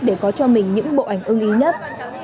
để có cho mình những bộ ảnh ưng ý nhất